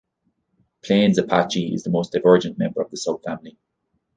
Plains Apache is the most divergent member of the subfamily.